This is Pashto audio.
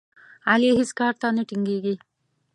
علي هېڅ کار ته نه ټینګېږي.